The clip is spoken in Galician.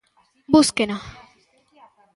¡Búsquena!